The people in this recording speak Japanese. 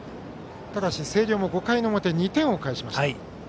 ただし星稜も５回の表２点を返しました。